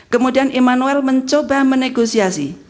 kemudian immanuel mencoba menegosiasi